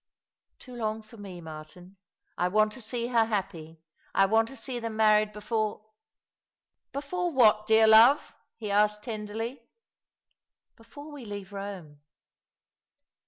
"Too long for me, Martin. I want to see her happy — I want to see them married before "" Before what, dear love ?" he asked tenderly. " Before we leave Eome."